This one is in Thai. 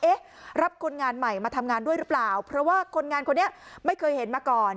รับคนงานใหม่มาทำงานด้วยหรือเปล่าเพราะว่าคนงานคนนี้ไม่เคยเห็นมาก่อน